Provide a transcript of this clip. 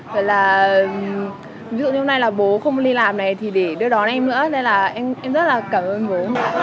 vậy là ví dụ như hôm nay là bố không đi làm này thì để đưa đón em nữa nên là em rất là cảm ơn bố